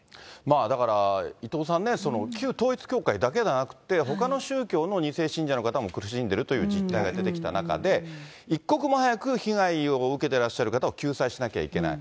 だから、伊藤さんね、旧統一教会だけじゃなくて、ほかの宗教の２世信者の方も苦しんでるという実態が出てきた中で、一刻も早く被害を受けてらっしゃる方を救済しなきゃいけない。